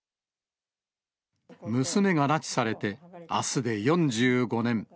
娘が拉致されてあすで４５年。